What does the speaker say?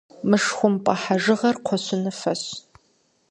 Мышхумпӏэ хьэжыгъэр кхъуэщыныфэщ.